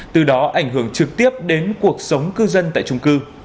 từ đó ảnh hưởng trực tiếp đến cuộc sống cư dân tại trung cư